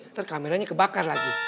ntar kameranya kebakar lagi